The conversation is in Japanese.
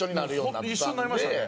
本当に一緒になりましたね。